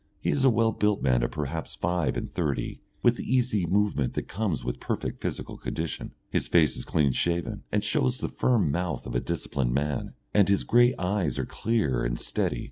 He is a well built man of perhaps five and thirty, with the easy movement that comes with perfect physical condition, his face is clean shaven and shows the firm mouth of a disciplined man, and his grey eyes are clear and steady.